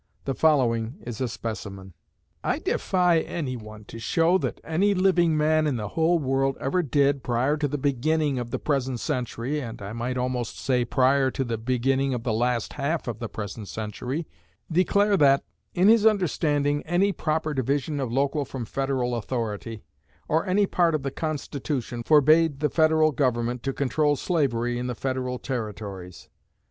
The following is a specimen: I defy anyone to show that any living man in the whole world ever did, prior to the beginning of the present century (and I might almost say prior to the beginning of the last half of the present century), declare that, in his understanding, any proper division of local from Federal authority, or any part of the Constitution, forbade the Federal Government to control slavery in the Federal territories.